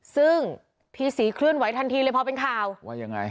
ซึ่งพี่ศรีเคลื่อนไหวทันทีเลยพอเป็นข่าวว่ายังไง